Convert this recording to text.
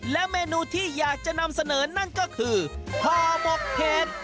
และเมนูที่อยากจะนำเสนอนั่นก็คือห่อหมกเห็ด